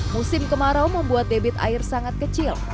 musim kemarau membuat debit air sangat kecil